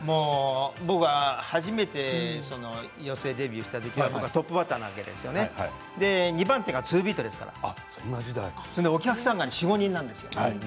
僕は初めて寄席デビューしたときはトップバッターなわけですが２番手がツービートですからお客さんが４、５人なんですよ。